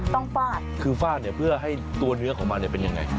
ต้องฝาดคือฝาดเพื่อให้ตัวเนื้อของมันเป็นอย่างไร